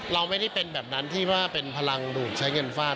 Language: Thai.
เราไม่ได้เป็นแบบนั้นที่ว่าเป็นพลังดูดใช้เงินฟาด